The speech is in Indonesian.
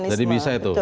jadi bisa itu